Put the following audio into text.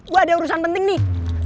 wah ada urusan penting nih